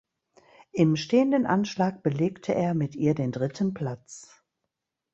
Im stehenden Anschlag belegte er mit ihr den dritten Platz.